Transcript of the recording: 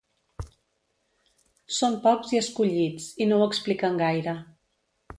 Són pocs i escollits, i no ho expliquen gaire.